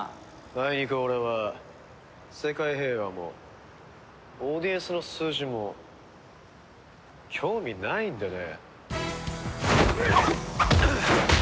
あいにく俺は世界平和もオーディエンスの数字も興味ないんでね。